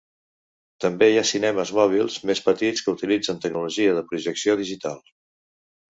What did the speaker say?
També hi ha cinemes mòbils més petits que utilitzen tecnologia de projecció digital.